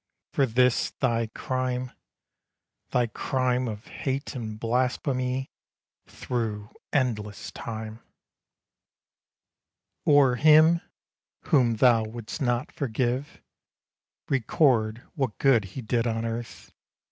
For this thy crime Thy crime of hate and blasphemy Through endless time!_ _O'er him, whom thou wouldst not forgive, Record what good He did on earth!